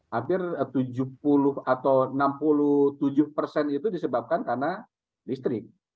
hampir tujuh puluh atau enam puluh tujuh persen itu disebabkan karena listrik